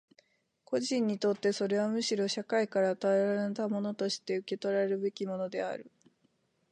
個人にとってはそれはむしろ社会から与えられたものとして受取らるべきものである。